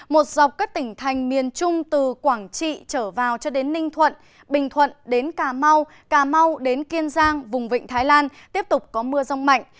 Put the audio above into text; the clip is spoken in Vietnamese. một dọc các tỉnh thành miền trung từ quảng trị trở vào cho đến ninh thuận bình thuận đến cà mau cà mau đến kiên giang vùng vịnh thái lan tiếp tục có mưa rông mạnh